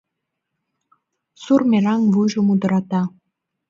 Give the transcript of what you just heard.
Сур мераҥ вуйжым удырата